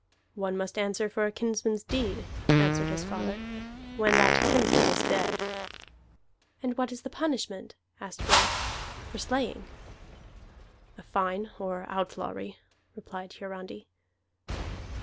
"One must answer for a kinsman's deed," answered his father, "when that kinsman is dead." "And what is the punishment," asked Rolf, "for slaying?" "A fine or outlawry," replied Hiarandi.